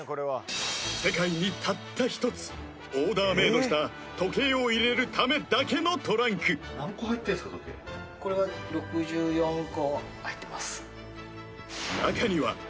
世界にたった１つオーダーメードした時計を入れるためだけのトランク中にはそのお値段は１０億？